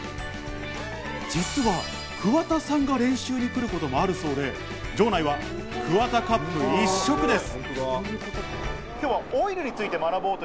実は桑田さんが練習に来ることもあるそうで、場内はＫＵＷＡＴＡＣＵＰ一色です！